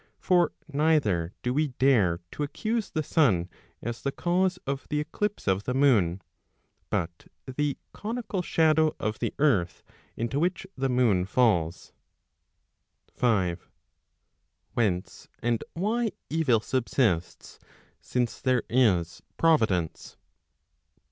For neither do we dare to accuse the sun as the cause of the eclipse of the moon, but the conical shadow of the earth into which the moon falls. 5. Whence and why evil subsists, since there is Providence?